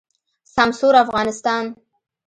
سمسور افغانستان